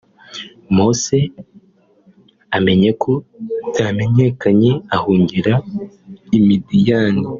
Mose amenye ko byamenyekanye ahungira i Midiyani